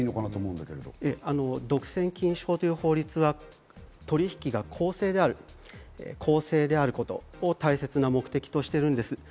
独占禁止法という法律は取引が公正であることを大切な目的としています。